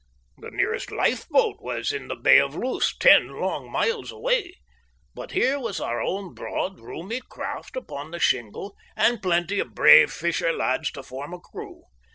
The nearest lifeboat was in the Bay of Luce, ten long miles away, but here was our own broad, roomy craft upon the shingle, and plenty of brave fisher lads to form a crew.